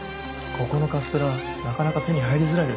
ここのカステラなかなか手に入りづらいですよね。